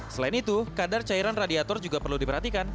selain itu kadar cairan radiator juga perlu diperhatikan